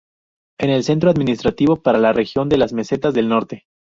Es el centro administrativo para la región de las Mesetas del Norte.